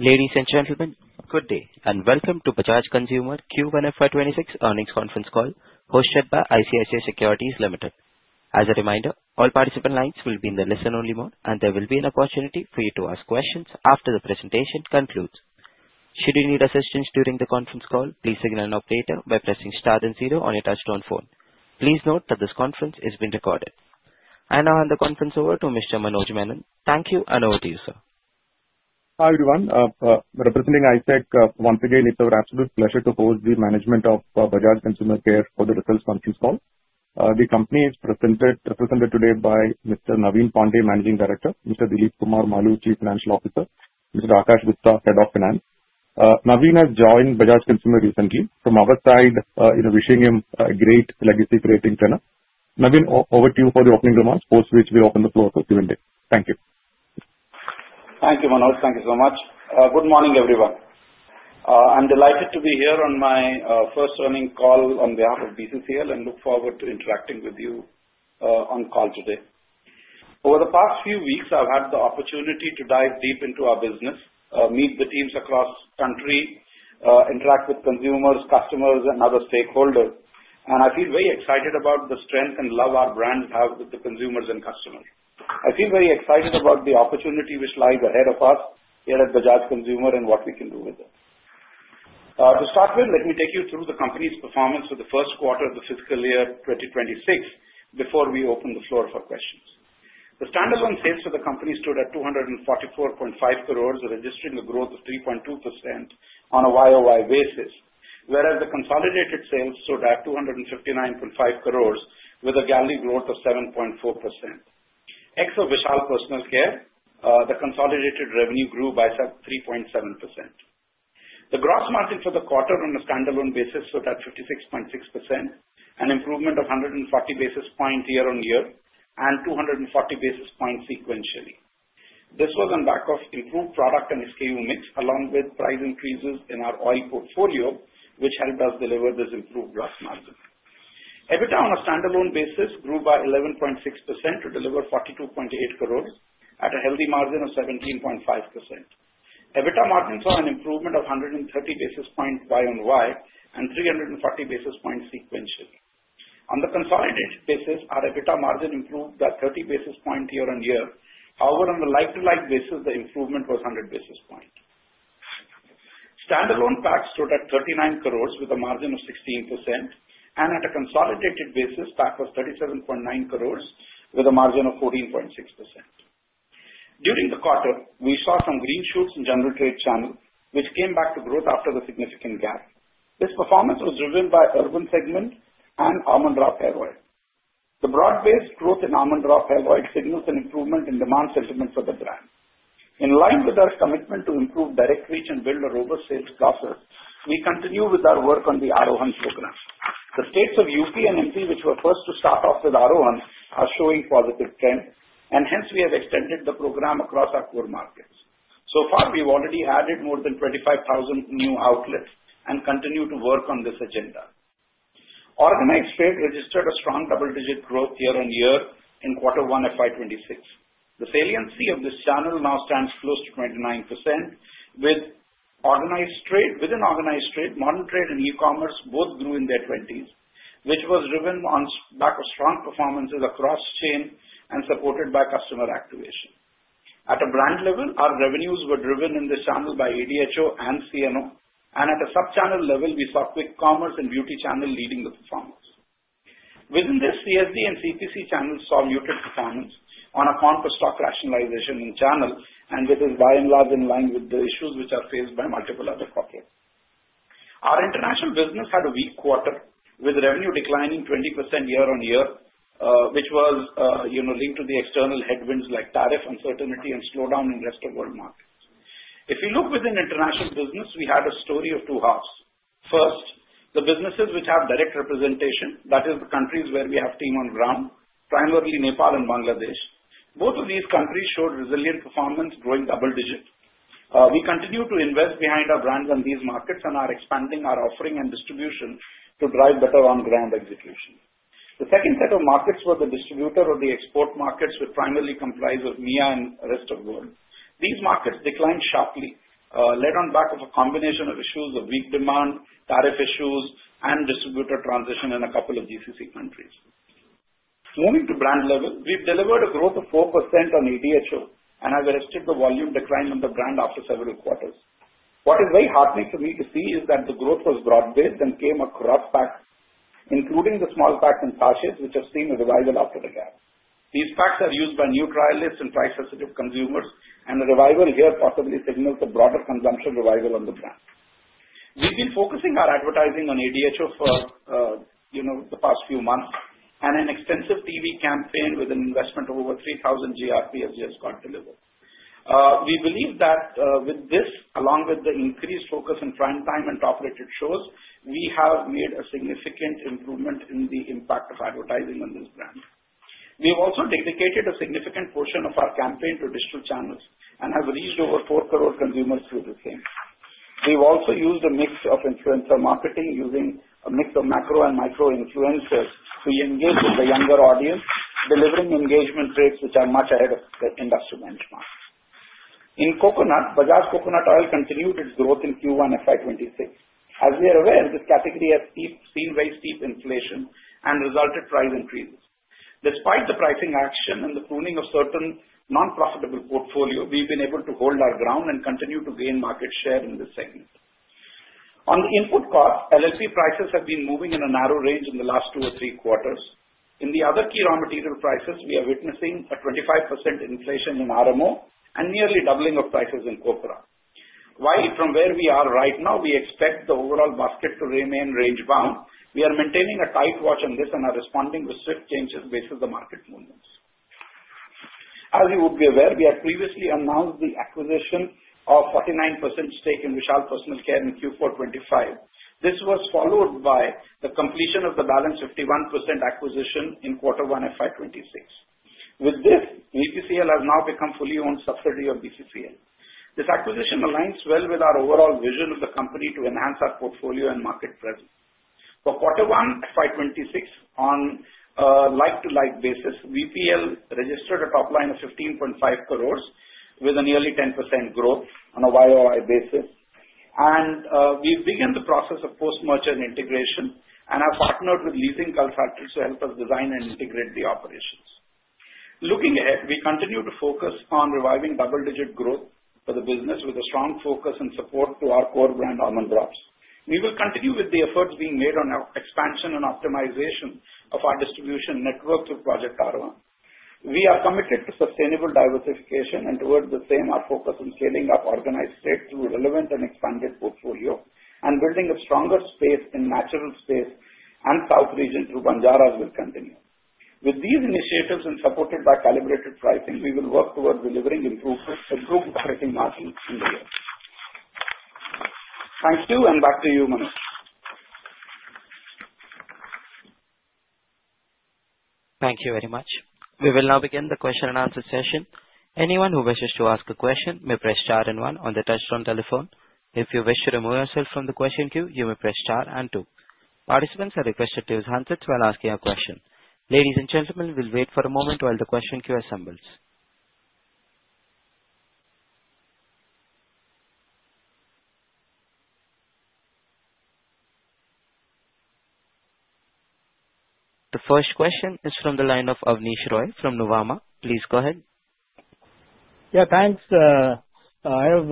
Ladies and gentlemen, good day and welcome to Bajaj Consumer Q1 FY 2026 Earnings Conference Call hosted by ICICI Securities Limited. As a reminder, all participant lines will be in the listen-only mode, and there will be an opportunity for you to ask questions after the presentation concludes. Should you need assistance during the conference call, please signal an operator by pressing star then zero on your touchtone phone. Please note that this conference is being recorded. I now hand the conference over to Mr. Manoj Menon. Thank you, and over to you, sir. Hi everyone. Representing ICICI, once again, it's our absolute pleasure to host the management of Bajaj Consumer Care for the results conference call. The company is represented today by Mr. Naveen Pandey, Managing Director, Mr. Dilip Kumar Maloo, Chief Financial Officer, and Mr. Aakash Gupta, Head of Finance. Naveen has joined Bajaj Consumer recently. From our side, we wish him a great legacy creating tenure. Naveen, over to you for the opening remarks, post which we open the floor to Q&A. Thank you. Thank you, Manoj. Thank you so much. Good morning, everyone. I'm delighted to be here on my first earnings call on behalf of BCCL and look forward to interacting with you on call today. Over the past few weeks, I've had the opportunity to dive deep into our business, meet the teams across the country, interact with consumers, customers, and other stakeholders, and I feel very excited about the strength and love our brands have with the consumers and customers. I feel very excited about the opportunity which lies ahead of us here at Bajaj Consumer and what we can do with it. To start with, let me take you through the company's performance for the first quarter of the fiscal year 2026 before we open the floor for questions. The standalone sales for the company stood at 244.5 crores and registered a growth of 3.2% on a YoY basis, whereas the consolidated sales stood at 259.5 crores with a value growth of 7.4%. Ex for Vishal Personal Care, the consolidated revenue grew by 3.7%. The gross margin for the quarter on a standalone basis stood at 56.6%, an improvement of 140 basis points year-on-year and 240 basis points sequentially. This was on back of improved product and SKU mix along with price increases in our oil portfolio, which helped us deliver this improved gross margin. EBITDA on a standalone basis grew by 11.6% to deliver 42.8 crores at a healthy margin of 17.5%. EBITDA margins saw an improvement of 130 basis points YoY and 340 basis points sequentially. On the consolidated basis, our EBITDA margin improved by 30 basis points year-on-year. However, on the like-to-like basis, the improvement was 100 basis points. Standalone PAT stood at 39 crores with a margin of 16%, and at a consolidated basis, PAT was 37.9 crores with a margin of 14.6%. During the quarter, we saw some green shoots in the general trade channel, which came back to growth after the significant gap. This performance was driven by the urban segment and Almond Drops Hair Oil. The broad-based growth in Almond Drops Hair Oil signals an improvement in demand sentiment for the brand. In line with our commitment to improve direct reach and build a robust sales process, we continue with our work on Project Aarohan. The states of UP and MP, which were first to start off with Aarohan, are showing positive trends, and hence we have extended the program across our core markets. So far, we've already added more than 25,000 new outlets and continue to work on this agenda. Organized trade registered a strong double-digit growth year-on-year in quarter one FY 2026. The saliency of this channel now stands close to 29%, with organized trade, within organized trade, modern trade, and e-commerce both grew in their 20s, which was driven on back of strong performances across chain and supported by customer activation. At a brand level, our revenues were driven in this channel by ADHO and CNO, and at a sub-channel level, we saw quick commerce and beauty channel leading the performance. Within this, CSD and CPC channels saw muted performance on account of stock rationalization in channel and within buy and love in line with the issues which are faced by multiple other corporations. Our international business had a weak quarter with revenue declining 20% year-on-year, which was linked to the external headwinds like tariff uncertainty and slowdown in the rest of the world markets. If you look within international business, we had a story of two halves. First, the businesses which have direct representation, that is the countries where we have team on run, primarily Nepal and Bangladesh. Both of these countries showed resilient performance, growing double digits. We continue to invest behind our brands in these markets and are expanding our offering and distribution to drive better on-brand execution. The second set of markets were the distributor or the export markets, which primarily comprise India and the rest of the world. These markets declined sharply, led on the back of a combination of issues of weak demand, tariff issues, and distributor transition in a couple of GCC countries. Moving to brand level, we've delivered a growth of 4% on ADHO and have arrested the volume decline on the brand after several quarters. What is very heartbreaking for me to see is that the growth was broad-based and came across packs, including the small packs and caches, which have seen a revival after the gap. These packs are used by new trialists and trifaceted consumers, and the revival here possibly signals a broader consumption revival on the brand. We've been focusing our advertising on ADHO for, you know, the past few months and an extensive TV campaign with an investment of over 3,000 GRP has just got delivered. We believe that with this, along with the increased focus in prime time and top-rated shows, we have made a significant improvement in the impact of advertising on this brand. We've also dedicated a significant portion of our campaign to digital channels and have reached over 4 crore consumers through the same. We've also used a mix of influencer marketing, using a mix of macro and micro influencers to engage with the younger audience, delivering engagement rates which are much ahead of the industry benchmark. In coconut, Bajaj Coconut Oil continued its growth in Q1 FY 2026. As we are aware, this category has seen very steep inflation and resulted in price increases. Despite the pricing action and the pruning of certain non-profitable portfolios, we've been able to hold our ground and continue to gain market share in this segment. On the input cost, LFP prices have been moving in a narrow range in the last two or three quarters. In the other key raw material prices, we are witnessing a 25% inflation in RMO and nearly doubling of prices in copra. From where we are right now, we expect the overall market to remain range-bound. We are maintaining a tight watch on this and are responding with strict changes based on the market movements. As you would be aware, we have previously announced the acquisition of a 49% stake in Vishal Personal Care in Q4 FY 2025. This was followed by the completion of the balance 51% acquisition in Q1 FY 2026. With this, VPCL has now become fully owned subsidiary of BCCL. This acquisition aligns well with our overall vision of the company to enhance our portfolio and market presence. For Q1 FY 2026, on a like-to-like basis, VPCL registered a top line of 15.5 crore with a nearly 10% growth on a YoY basis, and we've begun the process of post-merger integration and have partnered with a leading consultant to help us design and integrate the operations. Looking ahead, we continue to focus on reviving double-digit growth for the business with a strong focus and support to our core brand, Almond Drops Hair Oil. We will continue with the efforts being made on expansion and optimization of our distribution network through Project Aarohan. We are committed to sustainable diversification, and towards the same, our focus on scaling our organized sales through a relevant and expanded portfolio and building a stronger space in the natural space and South region through Banjara’s as we continue. With these initiatives and supported by calibrated pricing, we will work towards delivering improved marketing margin in the year. Thank you, and back to you, Manoj. Thank you very much. We will now begin the question-and-answer session. Anyone who wishes to ask a question may press star and one on the touchtone telephone. If you wish to remove yourself from the question queue, you may press star and two. Participants are requested to use handsets while asking a question. Ladies and gentlemen, we'll wait for a moment while the question queue assembles. The first question is from the line of Abneesh Roy from Nuvama. Please go ahead. Yeah, thanks. I have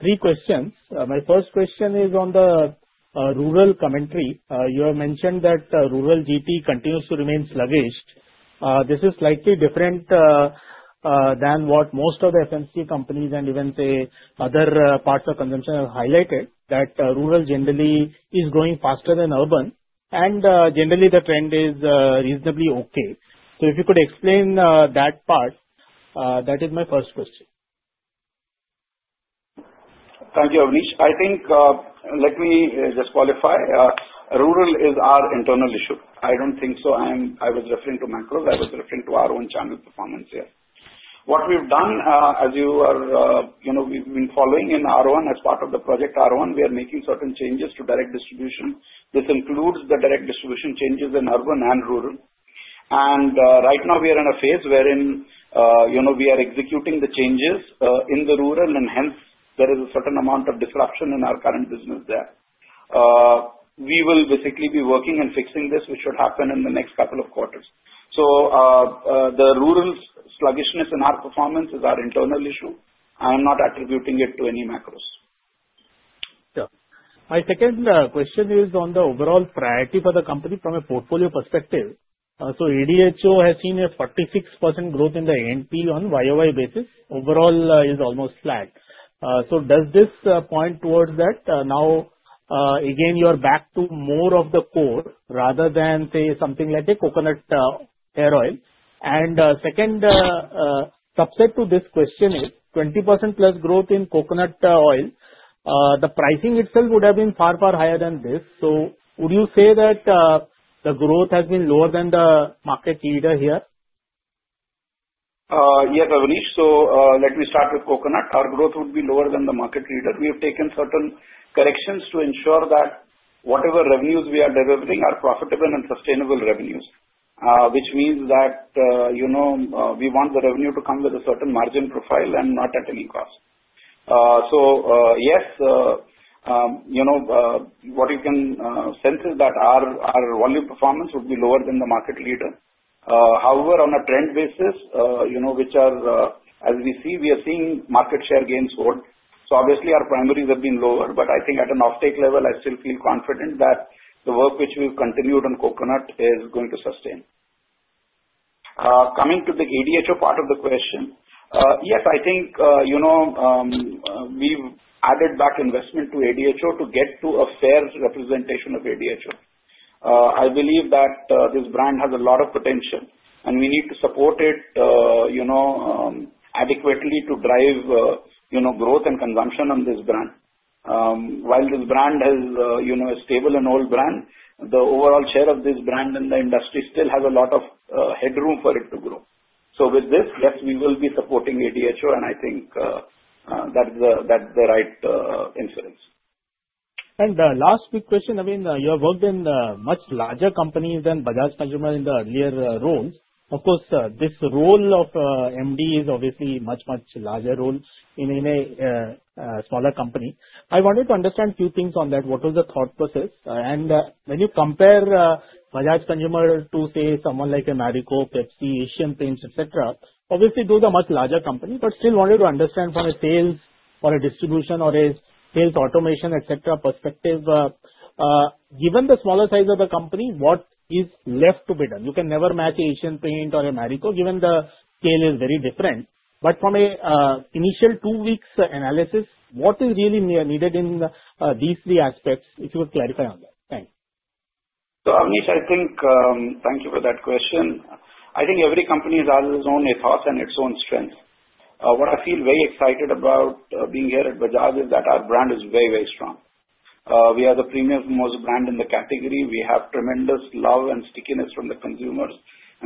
three questions. My first question is on the rural commentary. You have mentioned that rural GT continues to remain sluggish. This is slightly different than what most of the FMC companies and even, say, other parts of consumption have highlighted, that rural generally is growing faster than urban and generally the trend is reasonably okay. If you could explain that part, that is my first question. Thank you, Abneesh. I think let me just qualify. Rural is our internal issue. I don't think so. I was referring to macros. I was referring to our own channel performance here. What we've done, as you know, we've been following in Project Aarohan, as part of Project Aarohan, we are making certain changes to direct distribution. This includes the direct distribution changes in urban and rural. Right now, we are in a phase wherein we are executing the changes in the rural and hence there is a certain amount of disruption in our current business there. We will basically be working and fixing this, which should happen in the next couple of quarters. The rural sluggishness in our performance is our internal issue. I am not attributing it to any macros. Yeah. My second question is on the overall priority for the company from a portfolio perspective. ADHO has seen a 46% growth in the ANP on YoY basis. Overall is almost flat. Does this point towards that now, again, you are back to more of the core rather than say something like a coconut hair oil? The second subset to this question is 20%+ growth in coconut oil. The pricing itself would have been far, far higher than this. Would you say that the growth has been lower than the market leader here? Yes, Abneesh. Let me start with coconut. Our growth would be lower than the market leader. We have taken certain corrections to ensure that whatever revenues we are delivering are profitable and sustainable revenues, which means that we want the revenue to come with a certain margin profile and not at any cost. Yes, what you can sense is that our volume performance would be lower than the market leader. However, on a trend basis, as we see, we are seeing market share gains hold. Obviously, our primaries have been lower, but I think at an offtake level, I still feel confident that the work which we've continued on coconut is going to sustain. Coming to the ADHO part of the question, yes, I think we've added back investment to ADHO to get to a fair representation of ADHO. I believe that this brand has a lot of potential and we need to support it adequately to drive growth and consumption on this brand. While this brand is a stable and old brand, the overall share of this brand in the industry still has a lot of headroom for it to grow. With this, yes, we will be supporting ADHO and I think that is the right insurance. The last big question, Naveen, you have worked in much larger companies than Bajaj Consumer in the earlier roles. Of course, this role of MD is obviously a much, much larger role in a smaller company. I wanted to understand a few things on that. What was the thought process? When you compare Bajaj Consumer to, say, someone like Marico, Pepsi, Asian Paints, etc., obviously those are much larger companies, but still wanted to understand from a sales or a distribution or a sales automation, etc. perspective. Given the smaller size of the company, what is left to be done? You can never match Asian Paints or Marico given the scale is very different. From an initial two weeks analysis, what is really needed in these three aspects? If you could clarify on that. Thank you. Thank you for that question. I think every company has its own ethos and its own strength. What I feel very excited about being here at Bajaj is that our brand is very, very strong. We are the premier brand in the category. We have tremendous love and stickiness from the consumers,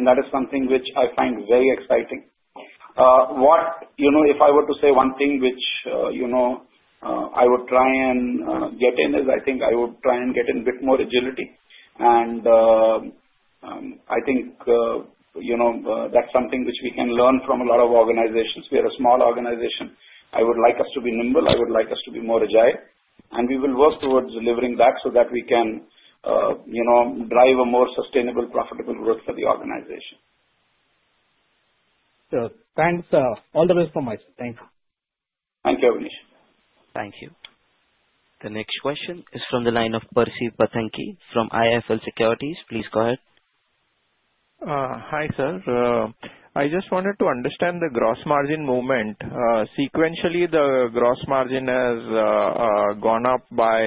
and that is something which I find very exciting. If I were to say one thing which I would try and get in, I think I would try and get in a bit more agility. I think that's something which we can learn from a lot of organizations. We are a small organization. I would like us to be nimble. I would like us to be more agile, and we will work towards delivering that so that we can drive a more sustainable, profitable growth for the organization. Sure. Thanks. All the best from my side. Thank you. Thank you, Abneesh. Thank you. The next question is from the line of Percy Panthaki from IIFL Securities. Please go ahead. Hi, sir. I just wanted to understand the gross margin movement. Sequentially, the gross margin has gone up by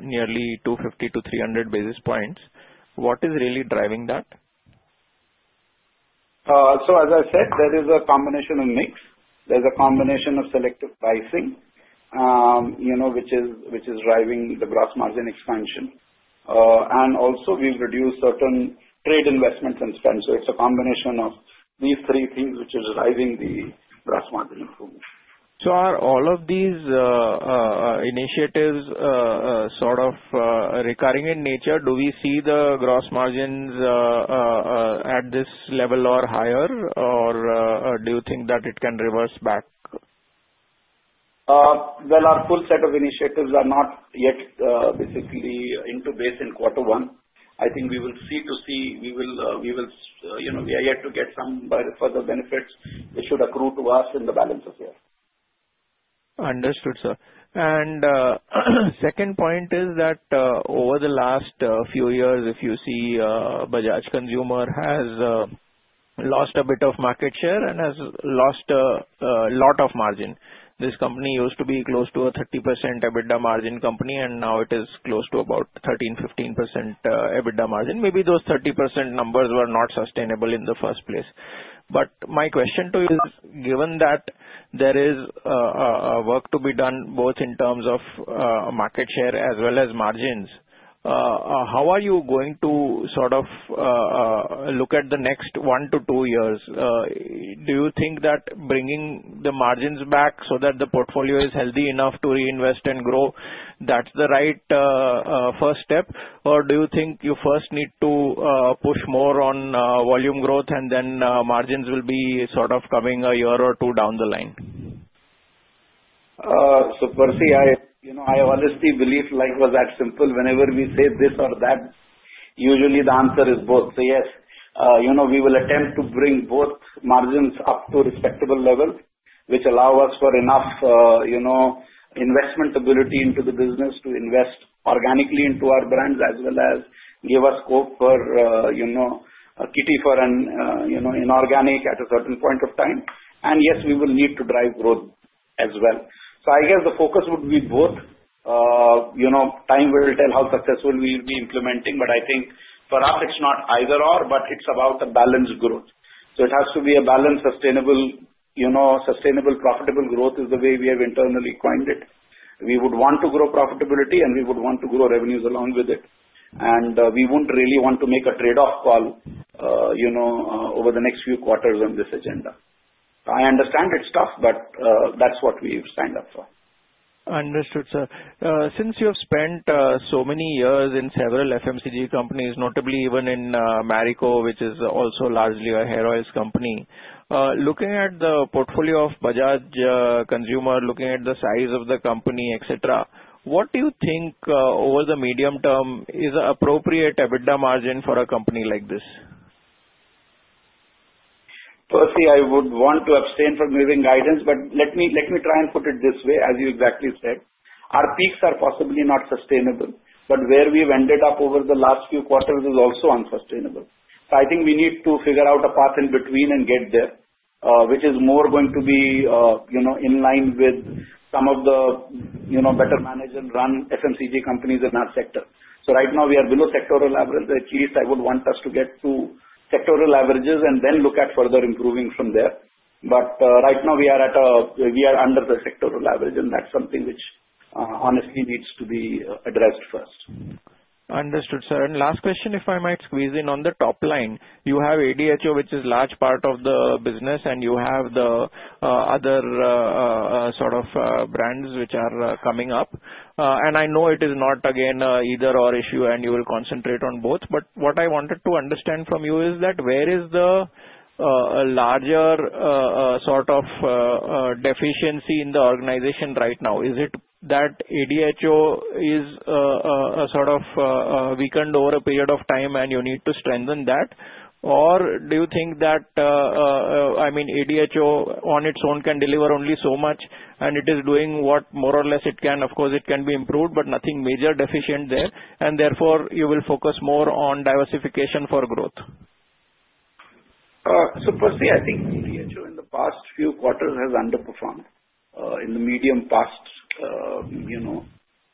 nearly 250-300 basis points. What is really driving that? As I said, there is a combination of mix. There's a combination of selective pricing, you know, which is driving the gross margin expansion and also will reduce certain trade investment and spend. It's a combination of these three things which is driving the gross margin improvement. Are all of these initiatives sort of recurring in nature? Do we see the gross margins at this level or higher, or do you think that it can reverse back? Our full set of initiatives are not yet basically into base in quarter one. I think we will see to see. We are yet to get some further benefits. It should accrue to us in the balance of year. Understood, sir. The second point is that over the last few years, if you see, Bajaj Consumer has lost a bit of market share and has lost a lot of margin. This company used to be close to a 30% EBITDA margin company, and now it is close to about 13%, 15% EBITDA margin. Maybe those 30% numbers were not sustainable in the first place. My question to you is, given that there is work to be done both in terms of market share as well as margins, how are you going to sort of look at the next one to two years? Do you think that bringing the margins back so that the portfolio is healthy enough to reinvest and grow, that's the right first step, or do you think you first need to push more on volume growth and then margins will be sort of coming a year or two down the line? Percy, I honestly believe if life was that simple. Whenever we say this or that, usually the answer is both. Yes, we will attempt to bring both margins up to a respectable level, which allows us enough investment ability into the business to invest organically into our brands as well as give us scope for a kitty for an inorganic at a certain point of time. Yes, we will need to drive growth as well. I guess the focus would be both. Time will tell how successful we will be implementing, but I think for us, it's not either or, but it's about a balanced growth. It has to be a balanced, sustainable, profitable growth, which is the way we have internally coined it. We would want to grow profitability and we would want to grow revenues along with it. We wouldn't really want to make a trade-off call over the next few quarters on this agenda. I understand it's tough, but that's what we stand up for. Understood, sir. Since you have spent so many years in several FMCG companies, notably even in Marico, which is also largely a hair oil company, looking at the portfolio of Bajaj Consumer, looking at the size of the company, etc., what do you think over the medium term is an appropriate EBITDA margin for a company like this? Firstly, I would want to abstain from giving guidance, but let me try and put it this way, as you exactly said. Our peaks are possibly not sustainable, but where we've ended up over the last few quarters is also unsustainable. I think we need to figure out a path in between and get there, which is more going to be, you know, in line with some of the, you know, better managed and run FMCG companies in our sector. Right now, we are below sectoral average. At least I would want us to get to sectoral averages and then look at further improving from there. Right now, we are under the sectoral average, and that's something which honestly needs to be addressed first. Understood, sir. Last question, if I might squeeze in on the top line, you have ADHO, which is a large part of the business, and you have the other sort of brands which are coming up. I know it is not, again, an either/or issue, and you will concentrate on both. What I wanted to understand from you is that where is the larger sort of deficiency in the organization right now? Is it that ADHO is sort of weakened over a period of time and you need to strengthen that? Do you think that, I mean, ADHO on its own can deliver only so much and it is doing what more or less it can? Of course, it can be improved, but nothing major deficient there. Therefore, you will focus more on diversification for growth. Firstly, I think ADHO in the past few quarters has underperformed in the medium past,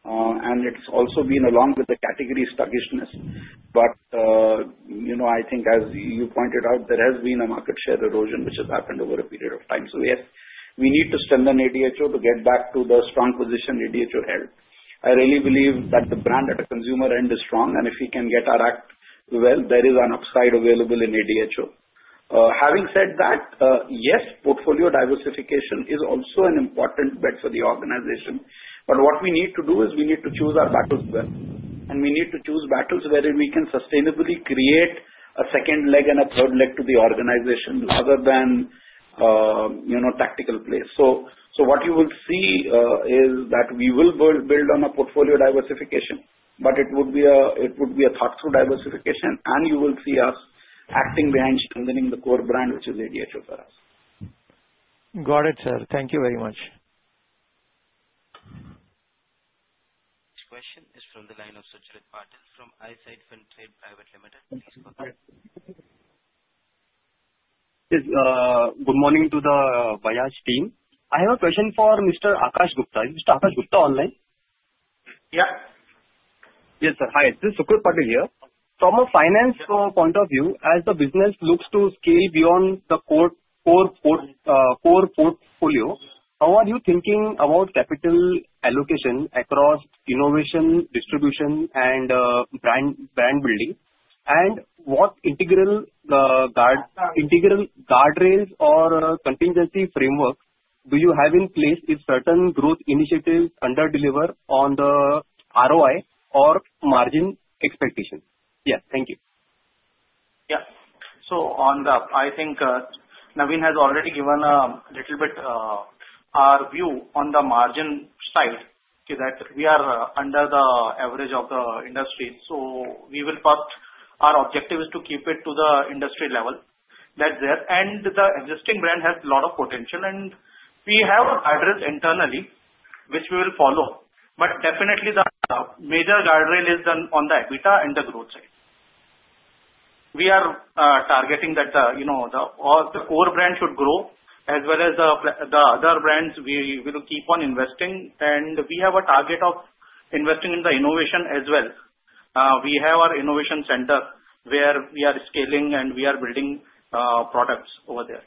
and it's also been along with the category sluggishness. I think as you pointed out, there has been a market share erosion which has happened over a period of time. We need to strengthen ADHO to get back to the strong position ADHO held. I really believe that the brand at the consumer end is strong, and if we can get our act well, there is an upside available in ADHO. Having said that, yes, portfolio diversification is also an important bet for the organization. What we need to do is choose our battles well, and we need to choose battles where we can sustainably create a second leg and a third leg to the organization rather than tactical play. What you will see is that we will build on a portfolio diversification, but it would be a thoughtful diversification, and you will see us acting behind strengthening the core brand, which is ADHO for us. Got it, sir. Thank you very much. Next question is from the line of Sucrit Patil from Eyesight Fintrade Private Limited. Please go ahead. Good morning to the Bajaj team. I have a question for Mr. Aakash Gupta. Is Mr. Aakash Gupta online? Yeah. Yes, sir. Hi. It's Sucrit Patil here. From a finance point of view, as the business looks to scale beyond the core portfolio, how are you thinking about capital allocation across innovation, distribution, and brand building? What integral guardrails or contingency framework do you have in place if certain growth initiatives under-deliver on the ROI or margin expectation? Yeah, thank you. Yeah. Naveen has already given a little bit our view on the margin style that we are under the average of the industry. We will put our objective is to keep it to the industry level. That's there. The existing brand has a lot of potential, and we have addressed internally, which we will follow. Definitely, the major guardrail is done on the EBITDA and the growth side. We are targeting that the, you know, the core brand should grow as well as the other brands. We will keep on investing, and we have a target of investing in the innovation as well. We have our innovation center where we are scaling and we are building products over there.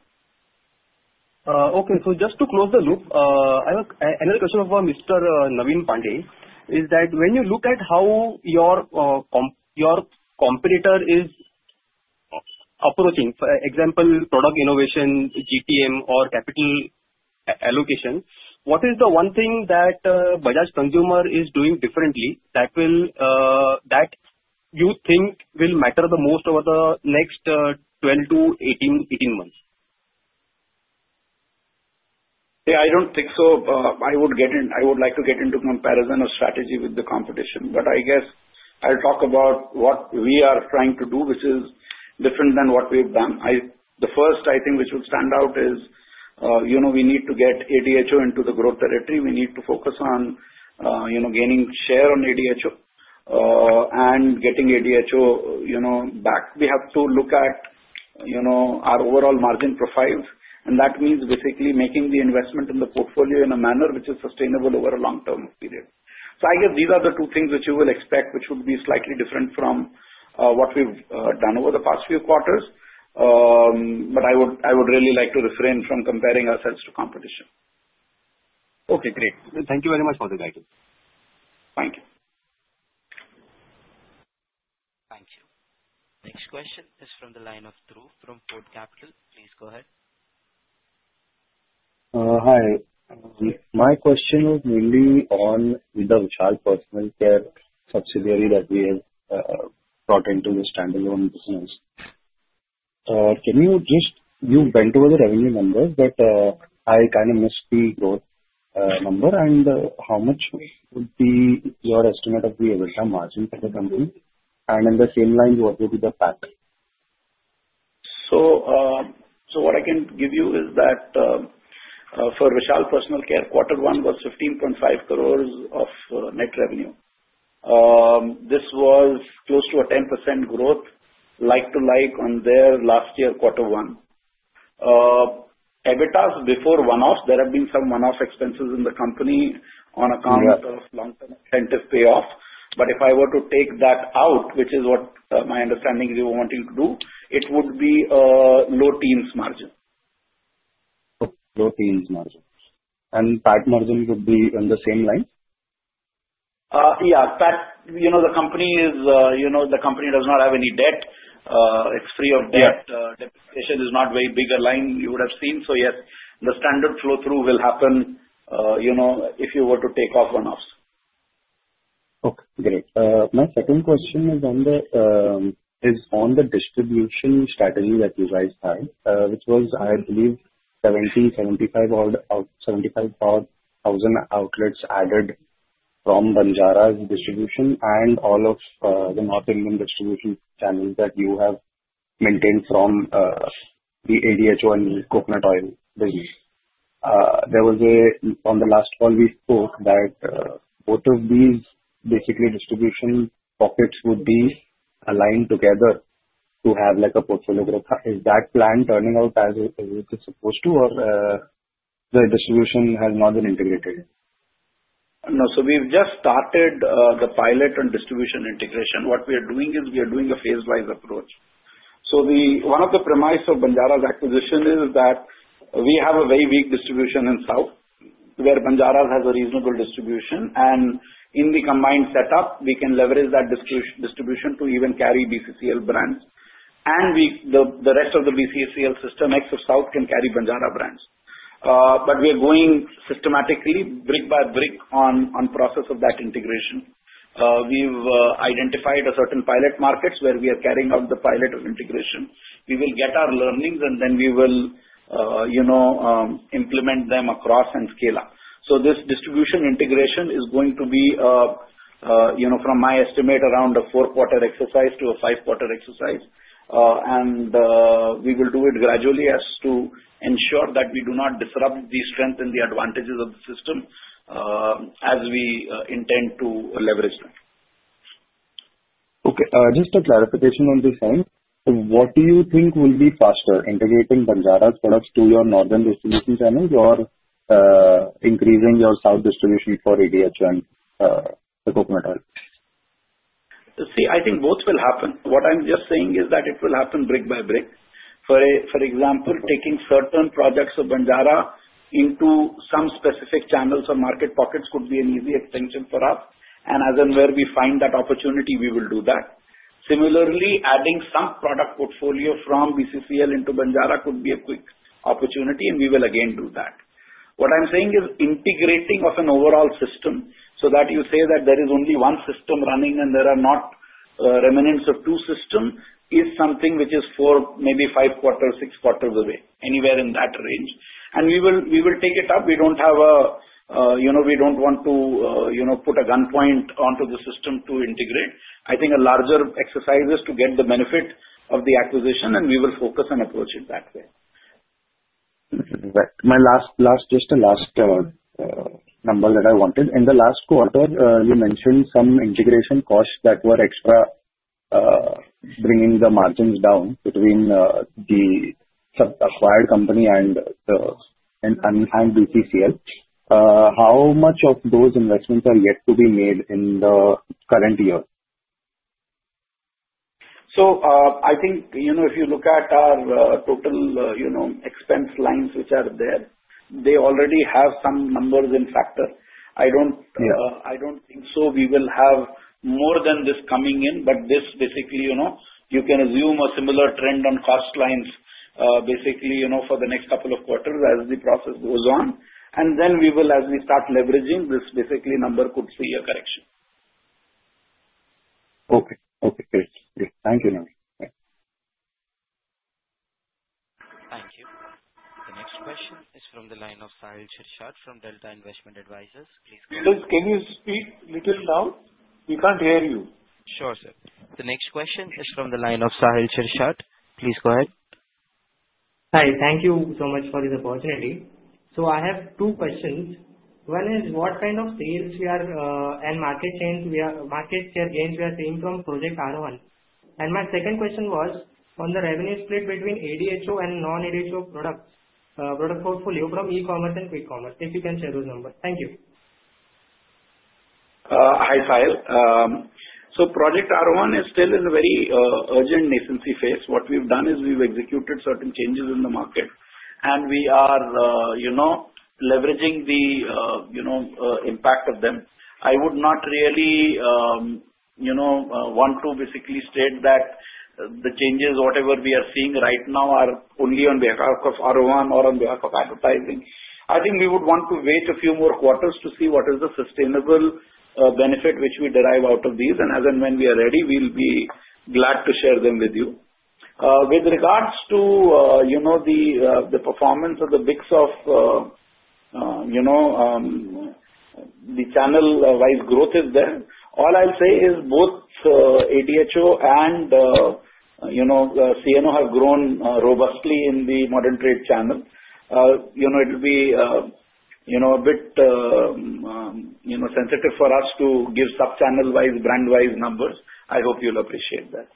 Okay. Just to close the loop, I have another question for Mr. Naveen Pandey. When you look at how your competitor is approaching, for example, product innovation, GPM, or capital allocation, what is the one thing that Bajaj Consumer is doing differently that you think will matter the most over the next 12-18 months? Yeah, I don't think so. I would like to get into comparison or strategy with the competition, but I guess I'll talk about what we are trying to do, which is different than what we've done. The first, I think, which will stand out is, you know, we need to get ADHO into the growth territory. We need to focus on, you know, gaining share on ADHO and getting ADHO, you know, back. We have to look at, you know, our overall margin profiles, and that means basically making the investment in the portfolio in a manner which is sustainable over a long-term period. I guess these are the two things which you will expect, which would be slightly different from what we've done over the past few quarters. I would really like to refrain from comparing ourselves to competition. Okay. Great. Thank you very much for the guidance. Thank you. Thank you. Next question is from the line of Dhruv from Fort Capital. Please go ahead. Hi. My question is mainly on the Vishal Personal Care subsidiary that we have brought onto the standalone business. Can you just, you went over the revenue numbers that I kind of missed, the growth number and how much would be your estimate of the EBITDA margin for the company? In the same line, what would be the PAT? What I can give you is that for Vishal Personal Care, quarter one was 15.5 crore of net revenue. This was close to a 10% growth, like-to-like on their last year quarter one. EBITDA before one-off, there have been some one-off expenses in the company on account of long-term incentive payoff. If I were to take that out, which is what my understanding is you were wanting to do, it would be a low-teens margin. Low-teens margin. That margin would be on the same line? Yeah, the company does not have any debt. It's free of debt. The debitation is not a very big line you would have seen. Yes, the standard flow-through will happen if you were to take off one-offs. Okay. Great. My second question is on the distribution strategy that you guys had, which was, I believe, 70,000, 75,000 outlets added from Banjara’s distribution and all of the North Indian distribution channels that you have maintained from the ADHO and coconut oil business. On the last call, we spoke that both of these basically distribution pockets would be aligned together to have like a portfolio growth. Is that plan turning out as it is supposed to, or the distribution has not been integrated yet? No. We've just started the pilot on distribution integration. What we are doing is a phase-wise approach. One of the premises of Banjara's acquisition is that we have a very weak distribution in South where Banjara’s has a reasonable distribution. In the combined setup, we can leverage that distribution to even carry BCCL brands. The rest of the BCCLsystem, excluding South, can carry Banjara’s brands. We are going systematically, brick by brick, on the process of that integration. We've identified a certain pilot market where we are carrying out the pilot of integration. We will get our learnings, and then we will implement them across and scale up. This distribution integration is going to be, from my estimate, around a four-quarter exercise to a five-quarter exercise. We will do it gradually to ensure that we do not disrupt the strength and the advantages of the system as we intend to leverage them. Okay. Just a clarification on this line. What do you think will be faster, integrating Banjara’s products to your northern distribution channels or increasing your South distribution for ADHO and coconut oil? See, I think both will happen. What I'm just saying is that it will happen brick by brick. For example, taking certain projects of Banjara’s into some specific channels or market pockets could be an easy extension for us. As in where we find that opportunity, we will do that. Similarly, adding some product portfolio from BCCL into Banjara’s could be a quick opportunity, and we will again do that. What I'm saying is integrating of an overall system so that you say that there is only one system running and there are not remnants of two systems is something which is for maybe five quarters, six quarters away, anywhere in that range. We will take it up. We don't want to put a gunpoint onto the system to integrate. I think a larger exercise is to get the benefit of the acquisition, and we will focus on approaching that way. My last, just a last number that I wanted. In the last quarter, you mentioned some integration costs that were extra bringing the margins down between the acquired company and BCCL. How much of those investments are yet to be made in the current year? If you look at our total expense lines which are there, they already have some numbers in factor. I don't think so. We will have more than this coming in, but this basically, you can assume a similar trend on cost lines for the next couple of quarters as the process goes on. We will, as we start leveraging this, the number could see a correction. Okay. Okay. Great. Great. Thank you, Naveen. Thank you. The next question is from the line of Saheel Shirshat from Delta Investment Advisors. Please. Can you speak a little now? We can't hear you. Sure, sir. The next question is from the line of Saheel Shirshat. Please go ahead. Hi, thank you so much for this opportunity. I have two questions. One is what kind of sales and market share gains we are seeing from Project Aarohan? My second question was on the revenue split between ADHO and non-ADHO product portfolio from e-commerce and quick commerce, if you can share those numbers. Thank you. Hi, Saheel. Project Aarohan is still in a very nascent phase. What we've done is we've executed certain changes in the market, and we are leveraging the impact of them. I would not really want to basically state that the changes, whatever we are seeing right now, are only on behalf of Project Aarohan or on behalf of advertising. I think we would want to wait a few more quarters to see what is the sustainable benefit which we derive out of these. As and when we are ready, we'll be glad to share them with you. With regards to the performance of the mix of the channel-wise growth, all I'll say is both ADHO and CNO have grown robustly in the modern trade channel. It'll be a bit sensitive for us to give sub-channel-wise, brand-wise numbers. I hope you'll appreciate that.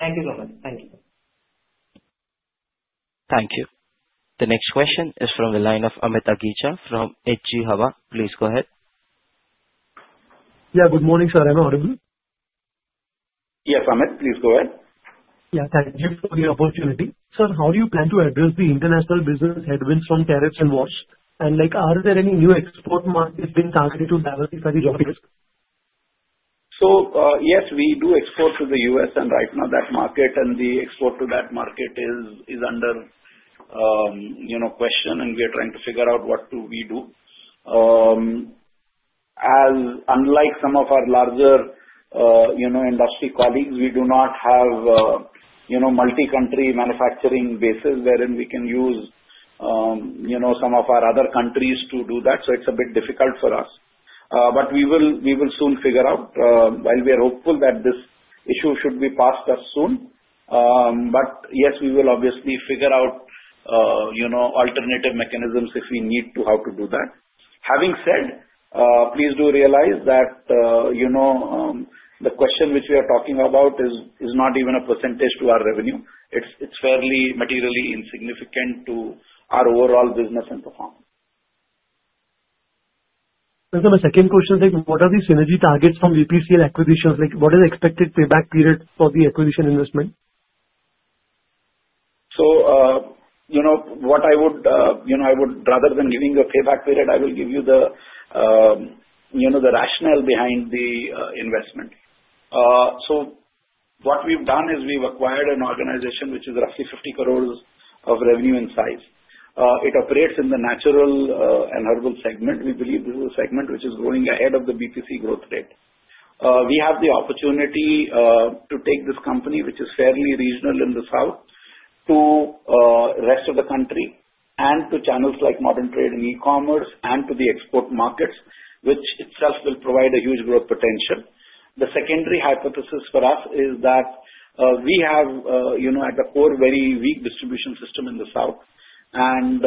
Thank you, Sujan. Thank you. Thank you. The next question is from the line of Amit Agicha from HG Hawa. Please go ahead. Good morning, sir. I'm available. Yes, Amit. Please go ahead. Thank you for the opportunity. Sir, how do you plan to address the international business headwinds from tariffs and wars? Are there any new export markets being targeted to diversify the audience? Yes, we do export to the U.S., and right now that market and the export to that market is under question, and we are trying to figure out what do we do. Unlike some of our larger industry colleagues, we do not have multi-country manufacturing bases therein, and we can use some of our other countries to do that. It's a bit difficult for us. We will soon figure out. We are hopeful that this issue should be passed as soon. We will obviously figure out alternative mechanisms if we need to, how to do that. Having said, please do realize that the question which we are talking about is not even a % to our revenue. It's fairly materially insignificant to our overall business and performance. My second question is, what are the synergy targets from VPCL acquisitions? What is the expected payback period for the acquisition investment? I would, rather than giving a payback period, give you the rationale behind the investment. What we've done is we've acquired an organization which is roughly 50 crores of revenue in size. It operates in the natural and herbal segment. We believe this is a segment which is growing ahead of the BPC growth rate. We have the opportunity to take this company, which is fairly regional in the South, to the rest of the country and to channels like modern trade and e-commerce and to the export markets, which itself will provide a huge growth potential. The secondary hypothesis for us is that we have, at the core, a very weak distribution system in the South, and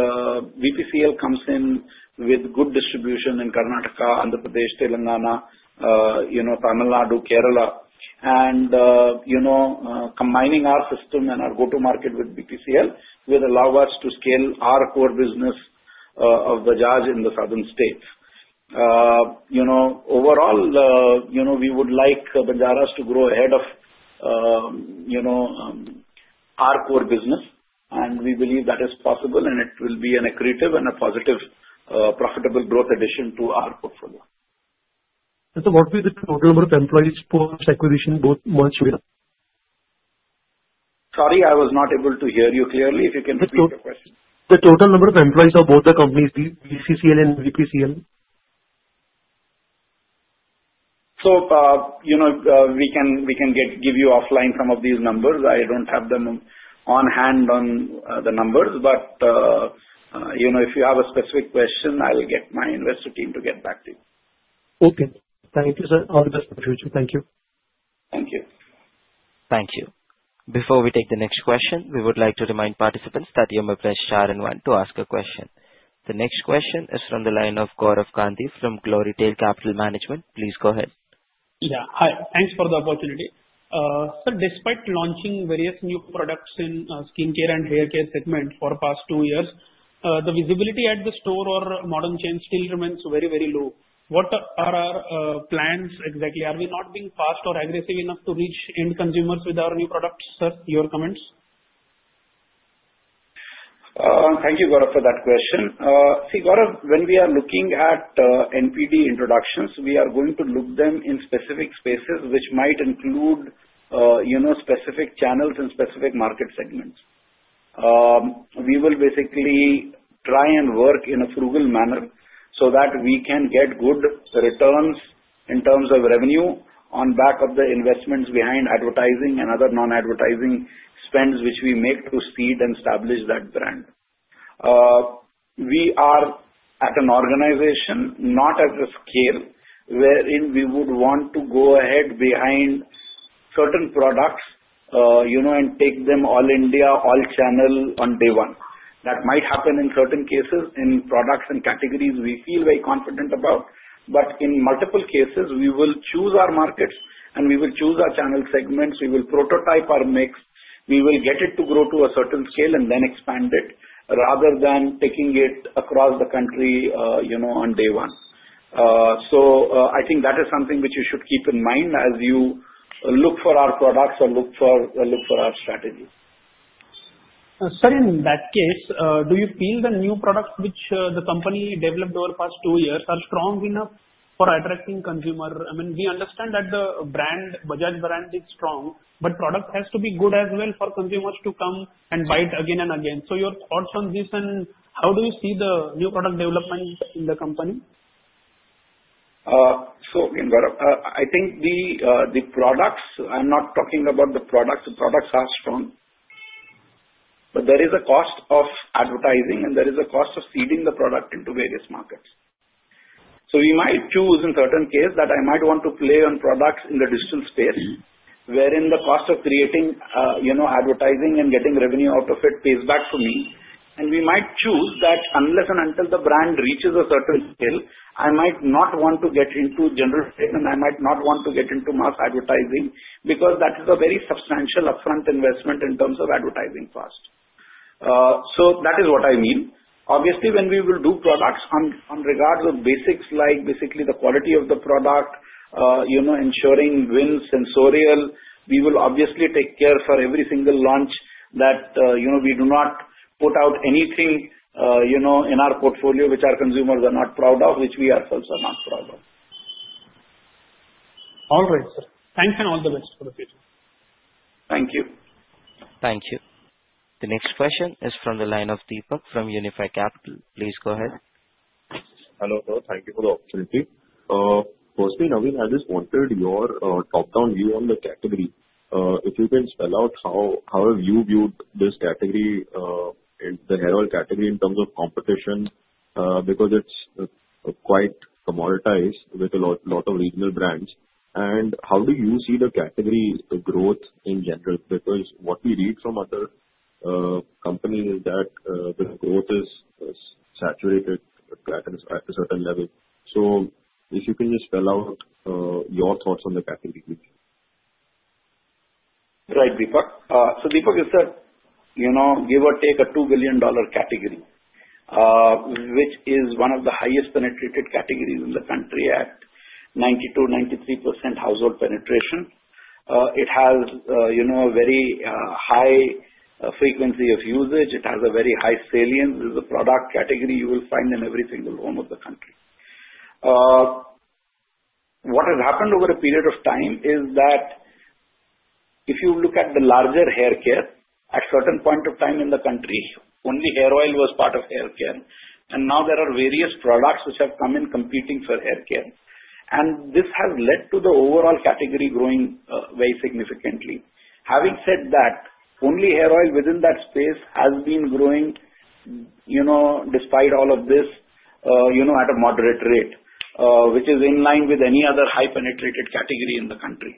VPCL comes in with good distribution in Karnataka, Andhra Pradesh, Telangana, Tamil Nadu, and Kerala. Combining our system and our go-to-market with VPCL will allow us to scale our core business of Bajaj in the Southern states. Overall, we would like Banjara’s to grow ahead of our core business, and we believe that is possible, and it will be an accretive and a positive profitable growth addition to our portfolio. What will the total number of employees be post acquisition, both merged with? Sorry, I was not able to hear you clearly. If you can repeat the question. The total number of employees of both the companies, VPCL and BCCL. We can give you offline some of these numbers. I don't have them on hand on the numbers, but if you have a specific question, I'll get my investor team to get back to you. Okay. Thank you, sir. All the best for the future. Thank you. Thank you. Thank you. Before we take the next question, we would like to remind participants that you may press star and one to ask a question. The next question is from the line of Gaurav Gandhi from Glorytail Capital Management. Please go ahead. Yeah. Hi. Thanks for the opportunity. Sir, despite launching various new products in skincare and hair care segment for the past two years, the visibility at the store or modern chain still remains very, very low. What are our plans exactly? Are we not being fast or aggressive enough to reach end consumers with our new products? Sir, your comments? Thank you, Gaurav, for that question. See, Gaurav, when we are looking at NPD introductions, we are going to look at them in specific spaces, which might include specific channels and specific market segments. We will basically try and work in a frugal manner so that we can get good returns in terms of revenue on the back of the investments behind advertising and other non-advertising spends, which we make to speed and establish that brand. We are at an organization, not at a scale wherein we would want to go ahead behind certain products and take them all India, all channel on day one. That might happen in certain cases in products and categories we feel very confident about. In multiple cases, we will choose our markets, and we will choose our channel segments. We will prototype our mix. We will get it to grow to a certain scale and then expand it rather than taking it across the country on day one. I think that is something which you should keep in mind as you look for our products or look for our strategy. Sir, in that case, do you feel the new products which the company developed over the past two years are strong enough for attracting consumers? I mean, we understand that the Bajaj brand is strong, but product has to be good as well for consumers to come and buy it again and again. Your thoughts on this and how do you see the new product development in the company? Gaurav, I think the products, I'm not talking about the products. The products are strong. There is a cost of advertising, and there is a cost of feeding the product into various markets. We might choose in certain cases that I might want to play on products in the digital space wherein the cost of creating, you know, advertising and getting revenue out of it pays back for me. We might choose that unless and until the brand reaches a certain scale, I might not want to get into general space, and I might not want to get into mass advertising because that is a very substantial upfront investment in terms of advertising costs. That is what I mean. Obviously, when we will do products on regards of basics like basically the quality of the product, you know, ensuring wind sensorial, we will obviously take care for every single launch that, you know, we do not put out anything, you know, in our portfolio which our consumers are not proud of, which we ourselves are not proud of. All right, sir. Thanks and all the best for the future. Thank you. Thank you. The next question is from the line of Deepak from Unifi Capital. Please go ahead. Hello sir. Thank you for the opportunity. Firstly, Naveen, I just wanted your top-down view on the category. If you can spell out how you viewed this category in the hair oil category in terms of competition, because it's quite commoditized with a lot of regional brands. How do you see the category growth in general? What we read from other companies is that the growth is saturated at a certain level. If you can just spell out your thoughts on the category. Right, Deepak. Deepak, you said, you know, give or take a $2 billion category, which is one of the highest penetrated categories in the country at 92%, 93% household penetration. It has, you know, a very high frequency of usage. It has a very high salience. This is a product category you will find in every single home of the country. What has happened over a period of time is that if you look at the larger hair care, at a certain point of time in the country, only hair oil was part of hair care. Now there are various products which have come in competing for hair care. This has led to the overall category growing very significantly. Having said that, only hair oil within that space has been growing, you know, despite all of this, you know, at a moderate rate, which is in line with any other high penetrated category in the country.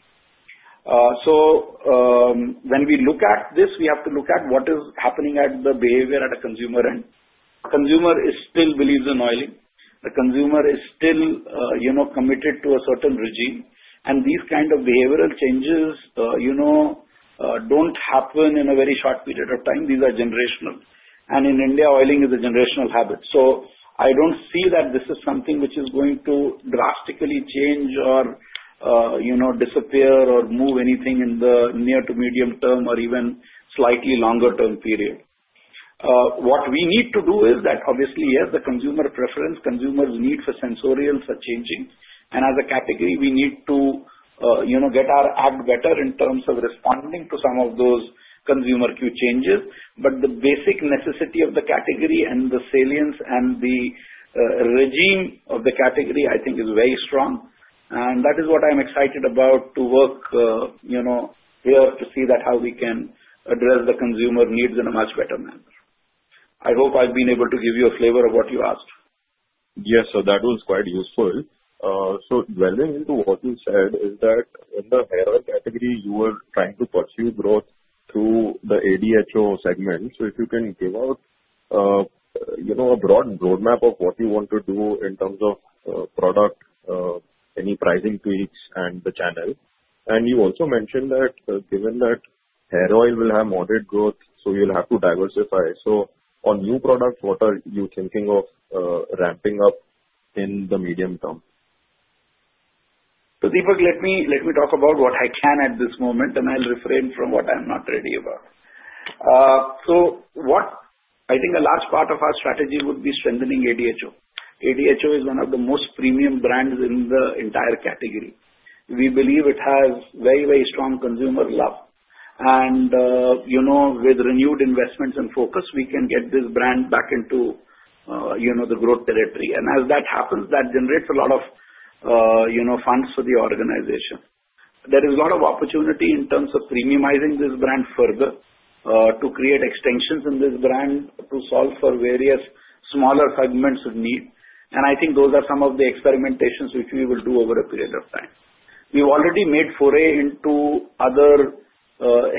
When we look at this, we have to look at what is happening at the behavior at a consumer end. The consumer still believes in oiling. The consumer is still, you know, committed to a certain regime. These kinds of behavioral changes, you know, don't happen in a very short period of time. These are generational. In India, oiling is a generational habit. I don't see that this is something which is going to drastically change or, you know, disappear or move anything in the near to medium term or even slightly longer term period. What we need to do is that, obviously, yes, the consumer preference, consumers' need for sensorials are changing. As a category, we need to, you know, get our act better in terms of responding to some of those consumer cues changes. The basic necessity of the category and the salience and the regime of the category, I think, is very strong. That is what I'm excited about to work, you know, here, to see that how we can address the consumer needs in a much better manner. I hope I've been able to give you a flavor of what you asked. Yes, sir. That was quite useful. Dwelling into what you said is that in the hair oil category, you were trying to pursue growth through the ADHO segment. If you can give out, you know, a broad roadmap of what you want to do in terms of product, any pricing tweaks, and the channel. You also mentioned that given that hair oil will have moderate growth, you'll have to diversify. On new products, what are you thinking of ramping up in the medium term? Let me talk about what I can at this moment, and I'll refrain from what I'm not ready about. I think a large part of our strategy would be strengthening ADHO. ADHO is one of the most premium brands in the entire category. We believe it has very, very strong consumer love. With renewed investments and focus, we can get this brand back into the growth territory. As that happens, that generates a lot of funds for the organization. There is a lot of opportunity in terms of premiumizing this brand further to create extensions in this brand to solve for various smaller segments of need. I think those are some of the experimentations which we will do over a period of time. We've already made foray into other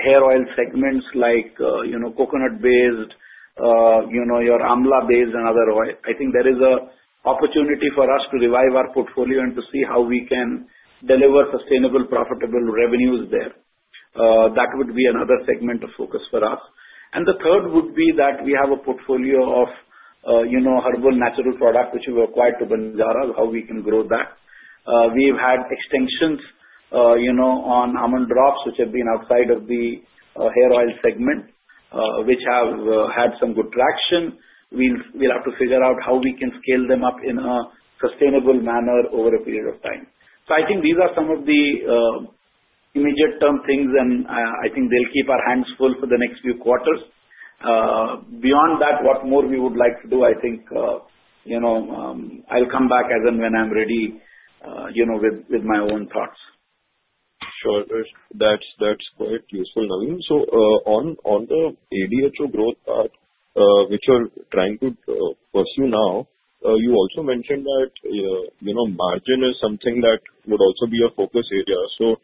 hair oil segments like coconut-based, Amla-based, and other oils. I think there is an opportunity for us to revive our portfolio and to see how we can deliver sustainable, profitable revenues there. That would be another segment of focus for us. The third would be that we have a portfolio of herbal natural products which we've acquired through Banjara’s and how we can grow that. We've had extensions on Almond Drops, which have been outside of the hair oil segment, which have had some good traction. We'll have to figure out how we can scale them up in a sustainable manner over a period of time. I think these are some of the immediate-term things, and I think they'll keep our hands full for the next few quarters. Beyond that, what more we would like to do, I think I'll come back as and when I'm ready with my own thoughts. Sure. That's quite useful, Naveen. On the ADHO growth path, which you're trying to pursue now, you also mentioned that, you know, margin is something that would also be a focus area.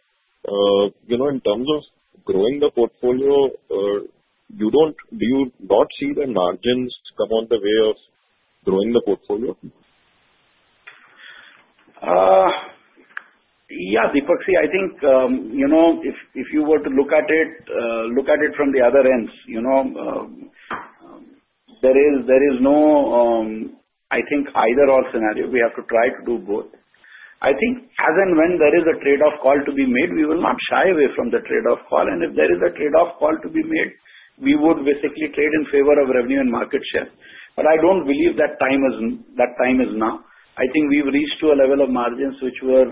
In terms of growing the portfolio, do you not see the margins come on the way of growing the portfolio? Yeah, Deepak. See, I think if you were to look at it from the other ends, there is no, I think, either/or scenario. We have to try to do both. As and when there is a trade-off call to be made, we will not shy away from the trade-off call. If there is a trade-off call to be made, we would basically trade in favor of revenue and market share. I don't believe that time is now. I think we've reached to a level of margins which were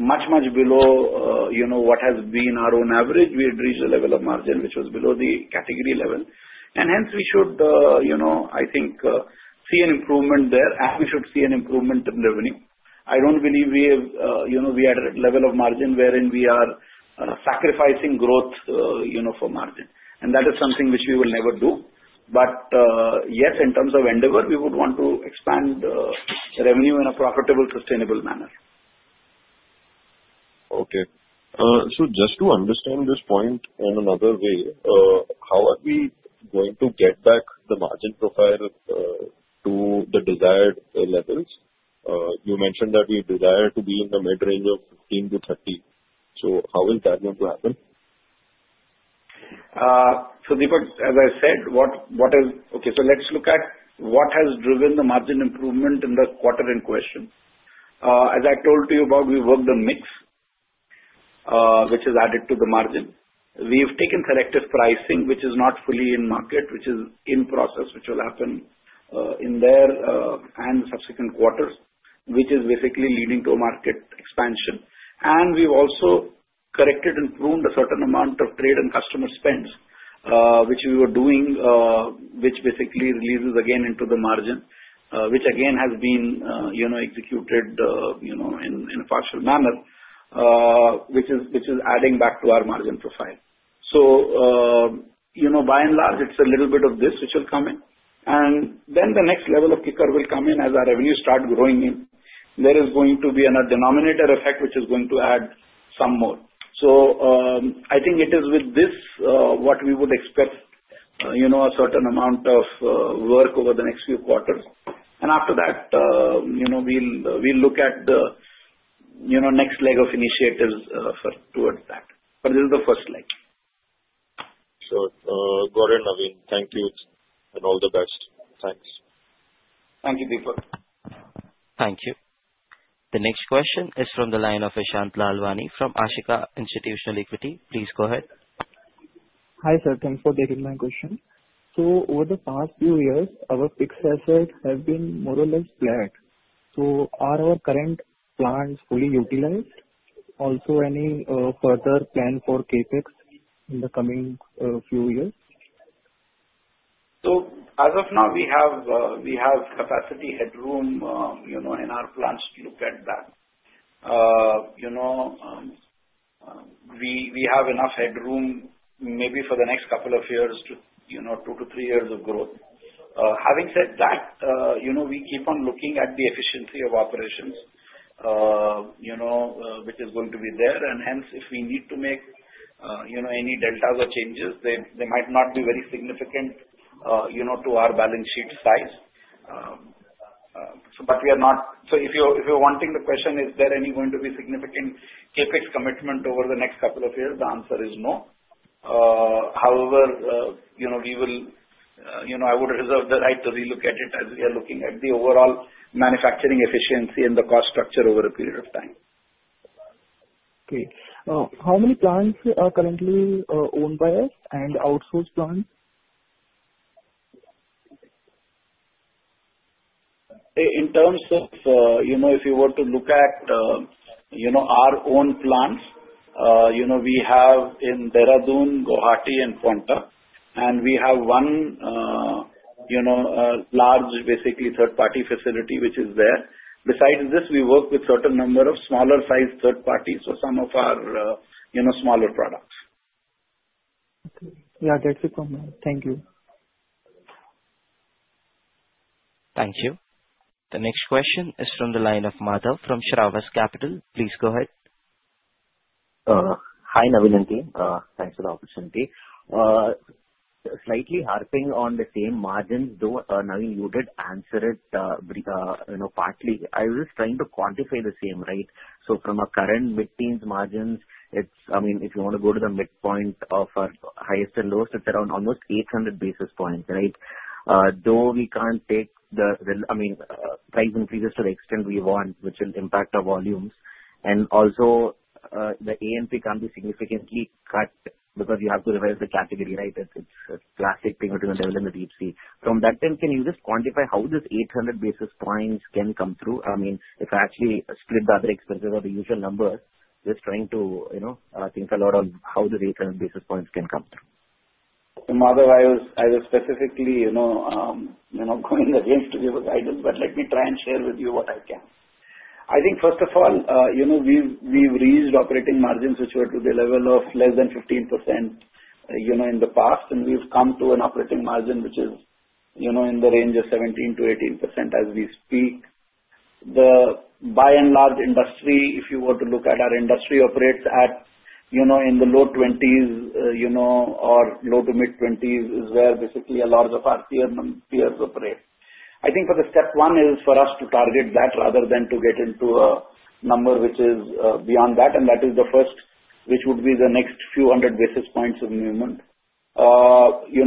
much, much below what has been our own average. We've reached a level of margin which was below the category level. Hence, we should see an improvement there, as we should see an improvement in revenue. I don't believe we had a level of margin wherein we are sacrificing growth for margin. That is something which we will never do. Yes, in terms of endeavor, we would want to expand the revenue in a profitable, sustainable manner. Okay. Just to understand this point in another way, how are we going to get back the margin profile to the desired levels? You mentioned that we desire to be in the mid-range of 15%-30%. How is that going to happen? As I said, let's look at what has driven the margin improvement in the quarter in question. As I told you, we've worked on mix, which has added to the margin. We've taken selective pricing, which is not fully in market, which is in process, which will happen in the subsequent quarters, which is basically leading to a market expansion. We've also corrected and pruned a certain amount of trade and customer spends, which we were doing, which basically releases again into the margin, which again has been executed in a powerful manner, which is adding back to our margin profile. By and large, it's a little bit of this, which will come in. The next level of kicker will come in as our revenues start growing in. There is going to be another denominator effect, which is going to add some more. I think it is with this what we would expect, a certain amount of work over the next few quarters. After that, we'll look at the next leg of initiatives towards that. This is the first leg. Gaurav and Naveen, thank you and all the best. Thanks. Thank you, Deepak. Thank you. The next question is from the line of Ishant Lalwani from Ashika Institutional Equity. Please go ahead. Hi, sir. Thanks for taking my question. Over the past few years, our fixed assets have been more or less flat. Are our current plans fully utilized? Also, any further plan for CapEx in the coming few years? As of now, we have capacity headroom in our plans to look at that. We have enough headroom maybe for the next couple of years, two to three years of growth. Having said that, we keep on looking at the efficiency of operations, which is going to be there. If we need to make any deltas or changes, they might not be very significant to our balance sheet size. We are not. If you're wanting the question, is there any going to be significant CapEx commitment over the next couple of years? The answer is no. However, I would reserve the right to relook at it as we are looking at the overall manufacturing efficiency and the cost structure over a period of time. Okay. How many plants are currently owned by us and outsourced plants? In terms of, you know, if you were to look at, you know, our own plans, you know, we have in Dehradun, Guwahati, and Paonta. We have one, you know, large, basically, third-party facility which is there. Besides this, we work with a certain number of smaller-sized third parties for some of our, you know, smaller products. Okay. Yeah, that's it from me. Thank you. Thank you. The next question is from the line of Madhav from Shravas Capital. Please go ahead. Hi, Naveen and team. Thanks for the opportunity. Slightly harping on the same margins, though, Naveen, you did answer it, you know, partly. I was just trying to quantify the same, right? From our current mid-teens margins, if you want to go to the midpoint of our highest and lowest, it's around almost 800 basis points, right? We can't take the price increases to the extent we want, which will impact our volumes. Also, the A&P can't be significantly tracked because you have to divide up the category, right? It's a classic thing between the devil and the deep sea. From that, can you just quantify how this 800 basis points can come through? If I actually split the other expenses or the usual numbers, just trying to think a lot on how these 800 basis points can come through. Madhav, I was specifically, you know, I'm going against the given guidance, but let me try and share with you what I can. I think, first of all, you know, we've reached operating margins which were to the level of less than 15% in the past. We've come to an operating margin which is in the range of 17%-18% as we speak. By and large, if you were to look at our industry, it operates in the low-20s, or low to mid-20s is where basically a lot of our peers operate. I think the step one is for us to target that rather than to get into a number which is beyond that. That is the first, which would be the next few hundred basis points in the moment. I would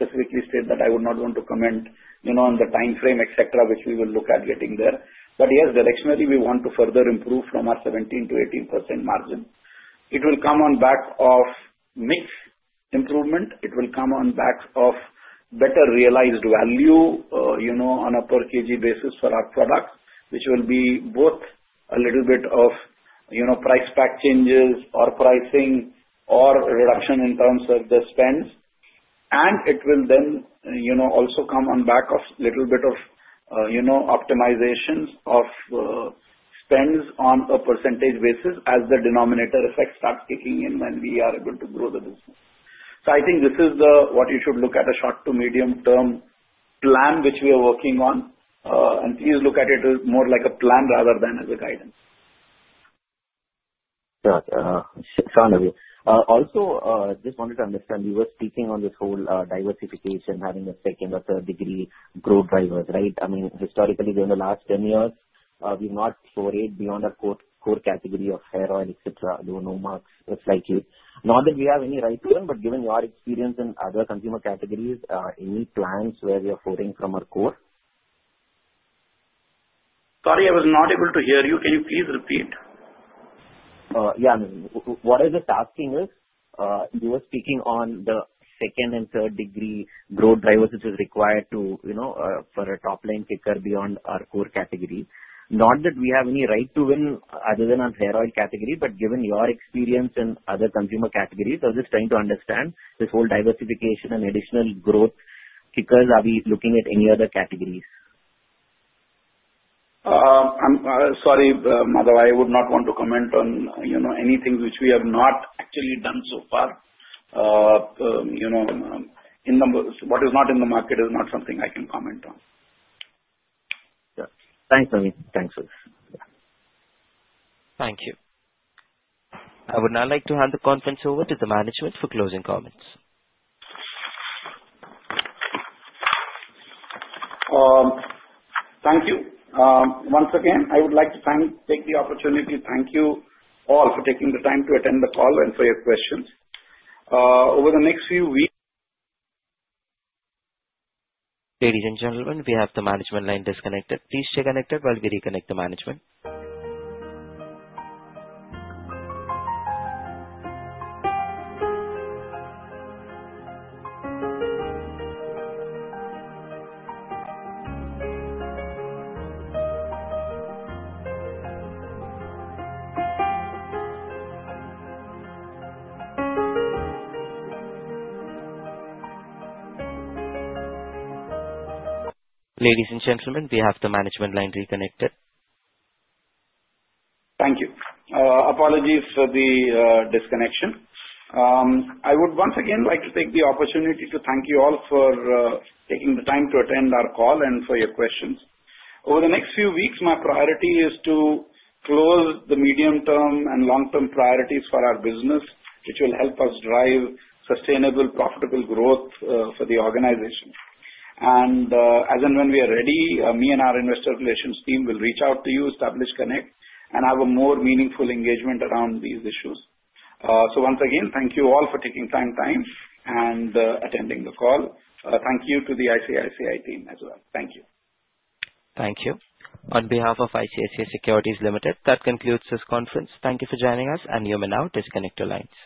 specifically state that I would not want to comment on the time frame, etc., which we will look at getting there. Yes, directionally, we want to further improve from our 17%-18% margin. It will come on back of mix improvement. It will come on back of better realized value on a per kg basis for our products, which will be both a little bit of price pack changes or pricing or reduction in terms of the spends. It will also come on back of a little bit of optimizations of spends on a percentage basis as the denominator effect starts kicking in when we are able to grow the business. I think this is what you should look at as a short to medium term plan which we are working on. Please look at it as more like a plan rather than as a guidance. Naveen, I just wanted to understand. We were speaking on this whole diversification, having a second or third degree growth drivers, right? I mean, historically, during the last 10 years, we've not forayed beyond our core category of hair oil, etc., though Nomarks slightly. Not that we have any rights to them, but given our experience in other consumer categories, any plans where we are foraying from our core? Sorry, I was not able to hear you. Can you please repeat? Yeah, what I was just asking is, we were speaking on the second and third degree growth drivers, which is required to, you know, for a top-line kicker beyond our core category. Not that we have any right to win other than our hair oil category, but given your experience in other consumer categories, I was just trying to understand this whole diversification and additional growth kickers. Are we looking at any other categories? Sorry, Madhav. I would not want to comment on any things which we have not actually done so far. What is not in the market is not something I can comment on. Gotcha. Thanks, Naveen. Thanks, Sujas. Thank you. I would now like to hand the conference over to the management for closing comments. Thank you. Once again, I would like to take the opportunity to thank you all for taking the time to attend the call and for your questions over the next few weeks. Ladies and gentlemen, we have the management line disconnected. Please stay connected while we reconnect the management. Ladies and gentlemen, we have the management line reconnected. Thank you. Apologies for the disconnection. I would once again like to take the opportunity to thank you all for taking the time to attend our call and for your questions. Over the next few weeks, my priority is to close the medium-term and long-term priorities for our business, which will help us drive sustainable, profitable growth for the organization. As and when we are ready, me and our investor relations team will reach out to you, establish connect, and have a more meaningful engagement around these issues. Once again, thank you all for taking time and attending the call. Thank you to the ICICI team as well. Thank you. Thank you. On behalf of ICICI Securities Limited, that concludes this conference. Thank you for joining us, and you may now disconnect your lines.